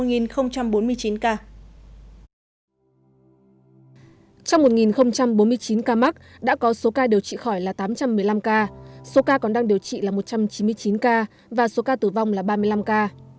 trong một bốn mươi chín ca mắc đã có số ca điều trị khỏi là tám trăm một mươi năm ca số ca còn đang điều trị là một trăm chín mươi chín ca và số ca tử vong là ba mươi năm ca